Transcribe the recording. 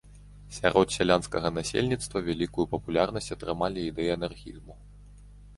Сярод сялянскага насельніцтва вялікую папулярнасць атрымалі ідэі анархізму.